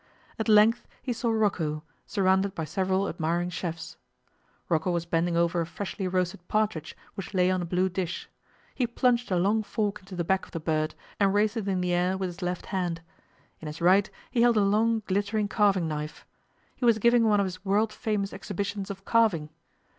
At length he saw Rocco, surrounded by several admiring chefs. Rocco was bending over a freshly roasted partridge which lay on a blue dish. He plunged a long fork into the back of the bird, and raised it in the air with his left hand. In his right he held a long glittering carving knife. He was giving one of his world famous exhibitions of carving.